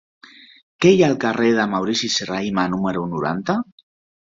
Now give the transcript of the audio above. Què hi ha al carrer de Maurici Serrahima número noranta?